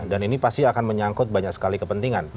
dan ini pasti akan menyangkut banyak sekali kepentingan